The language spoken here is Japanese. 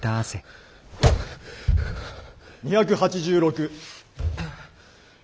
２８６。